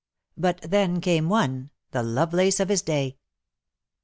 BUT THEN CAME ONE, THE LOVELACE OF HIS DAY.